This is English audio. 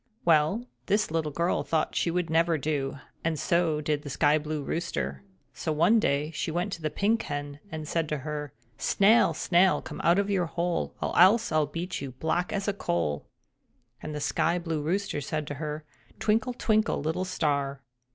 Well, this little girl thought this would never do, and so did the Sky blue Rooster. So, one day, she went to the Pink Hen and said to her: "Snail, snail, come out of your hole, or else I'll beat you as black as a coal!" And the Sky blue Rooster said to her: "Twinkle, twinkle, little star!"